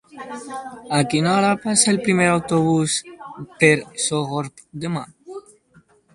A quina hora passa el primer autobús per Sogorb demà?